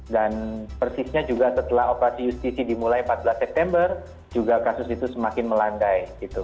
dan persisnya juga setelah operasi justisi dimulai empat belas september juga kasus itu semakin melandai